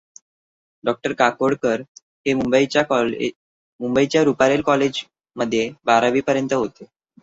डॉ. काकोडकर हे मुंबईच्या रूपारेल कॉलेज मध्ये बारावीपर्यंत होते.